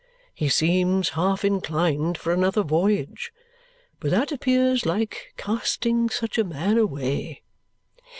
He seems half inclined for another voyage. But that appears like casting such a man away."